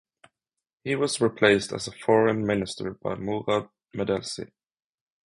He was replaced as foreign minister by Mourad Medelci.